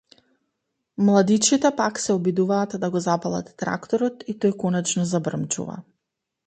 Младичите пак се обидуваат да го запалат тракторот и тој конечно забрмчува.